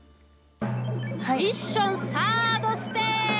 ミッションサードステージ。